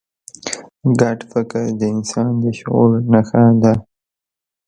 ګډ فکر د انسان د شعور نښه ده.